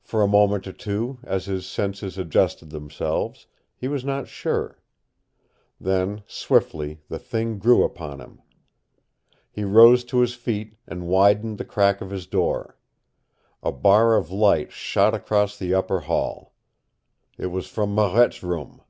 For a moment or two, as his senses adjusted themselves, he was not sure. Then swiftly the thing grew upon him. He rose to his feet and widened the crack of his door. A bar of light shot across the upper hall. It was from Marette's room.